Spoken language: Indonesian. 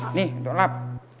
ini dok lap